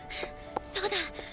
そうだ。